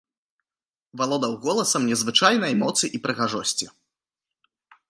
Валодаў голасам незвычайнай моцы і прыгажосці.